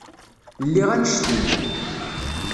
Lliɣ annect-im.